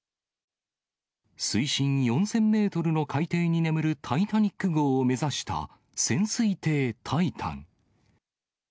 水深４０００メートルの海底に眠るタイタニック号を目指した潜水艇タイタン。